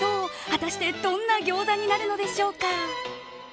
果たしてどんなギョーザになるのでしょうか。